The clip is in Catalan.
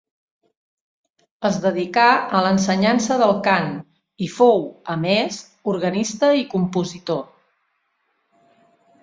Es dedicà a l'ensenyança del cant i fou, a més, organista i compositor.